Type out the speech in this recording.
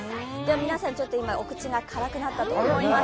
皆さん、お口が辛くなったと思います。